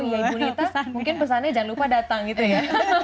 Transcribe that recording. ibu nita mungkin pesannya jangan lupa datang gitu ya